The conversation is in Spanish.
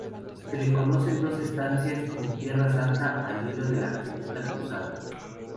Se le conocen dos estancias en Tierra Santa al hilo de la segunda cruzada.